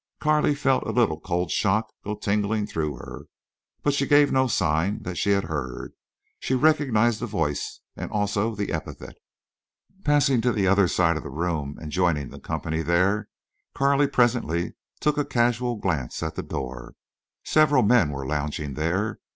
Carley felt a little cold shock go tingling through her. But she gave no sign that she had heard. She recognized the voice and also the epithet. Passing to the other side of the room and joining the company there, Carley presently took a casual glance at the door. Several men were lounging there.